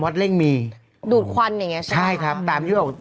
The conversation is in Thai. เดี๋ยวไหน